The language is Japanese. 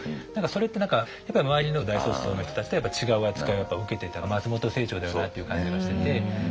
それって何かやっぱり周りの大卒層の人たちと違う扱いを受けてた松本清張だよなっていう感じがしてて。